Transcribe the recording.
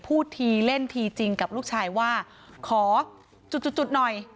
พูดทีเล่นทีจริงกับลูกชายว่าขอจุดจุดหน่อย